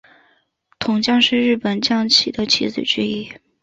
铜将是日本将棋的棋子之一。